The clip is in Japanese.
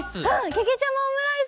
けけちゃまオムライス！